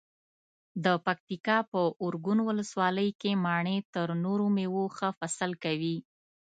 د پکتیکا په ارګون ولسوالۍ کې مڼې تر نورو مېوو ښه فصل کوي.